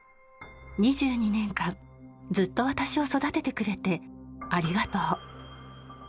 ２２年間ずっと私を育ててくれてありがとう。